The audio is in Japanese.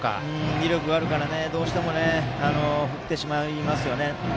威力があるからどうしても振ってしまいますよね。